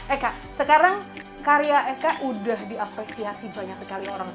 eka sekarang karya eka udah diapresiasi banyak sekali orang